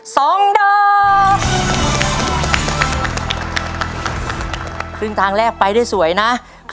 สองดอก